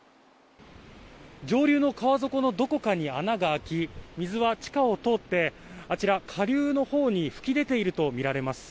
上流の川底のどこかに穴が開き、水は地下を通ってあちら下流のほうに噴き出ているとみられます。